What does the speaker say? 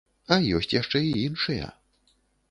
А ёсць яшчэ і іншыя.